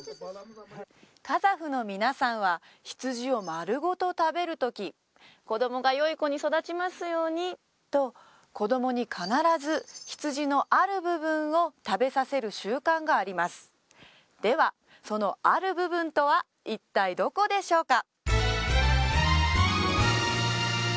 カザフの皆さんは羊を丸ごと食べるとき子供がよい子に育ちますようにと子供に必ず羊のある部分を食べさせる習慣がありますではそのある部分とは一体どこでしょうか？